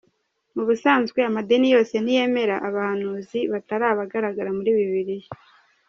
Ubusanzwe amadini yose ntiyemera abahanuzi batari abagaragara muri Bibiliya.